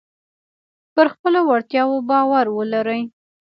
پر خپلو وړتیاو باور ولرئ.